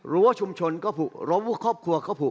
รั้วชุมชนก็ผูกรั้วครอบครัวก็ผูก